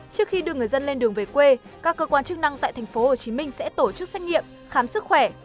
trước khi đưa người dân lên đường về quê các cơ quan chức năng tại tp hcm sẽ tổ chức xét nghiệm khám sức khỏe